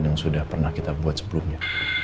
yang sudah pernah kita buat sebelumnya